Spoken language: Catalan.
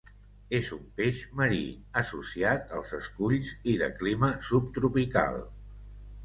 És un peix marí, associat als esculls i de clima subtropical.